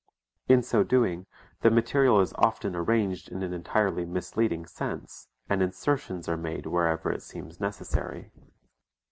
In so doing the material is often arranged in an entirely misleading sense and insertions are made wherever it seems necessary.